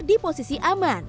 di posisi aman